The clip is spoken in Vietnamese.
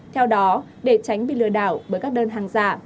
theo đó để tránh bị lừa đảo bởi các đơn hàng giả